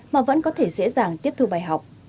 mà vẫn có thể dễ dàng tiếp thu bài học